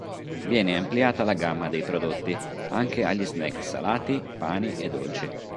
Viene ampliata la gamma dei prodotti anche agli snack salati, pani e dolci.